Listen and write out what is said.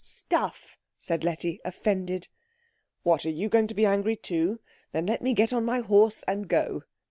"Stuff," said Letty, offended. "What, are you going to be angry too? Then let me get on my horse and go."